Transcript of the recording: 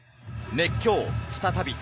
熱狂、再び。